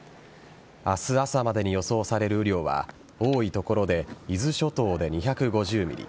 明日朝までに予想される雨量は多い所で伊豆諸島で２５０ｍｍ